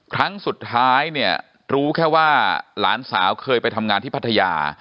ครั้งสุดท้ายเนี่ยรู้แค่ว่าหลานสาวเคยไปทำงานที่พัทยา